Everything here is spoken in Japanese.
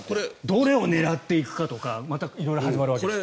どれを狙っていくかとか色々始まるわけですね。